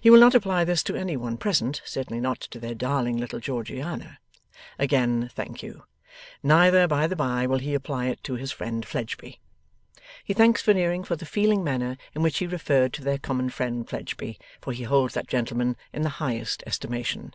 He will not apply this to any one present; certainly not to their darling little Georgiana. Again thank you! Neither, by the by, will he apply it to his friend Fledgeby. He thanks Veneering for the feeling manner in which he referred to their common friend Fledgeby, for he holds that gentleman in the highest estimation.